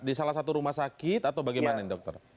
di salah satu rumah sakit atau bagaimana nih dokter